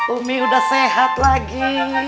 umi udah sehat lagi